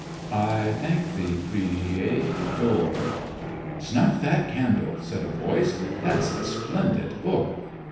I thank Thee, Crea tor ..." "Snuff that candle !" said a voice. "That's a splendid book."